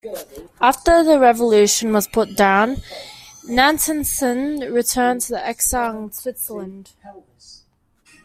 After the revolution was put down, Natanson returned to exile in Switzerland.